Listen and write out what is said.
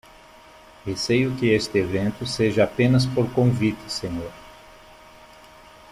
Receio que este evento seja apenas por convite, senhor.